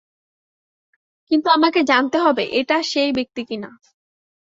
কিন্তু আমাকে জানতে হবে এটা সেই ব্যাক্তি কিনা।